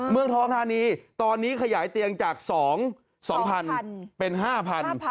เมืองท้องฮานีตอนนี้ขยายเตียงจาก๒พันเป็น๕พัน